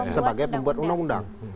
sebagai pembuat undang undang